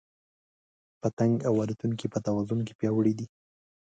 پتنګ او الوتونکي په توازن کې پیاوړي دي.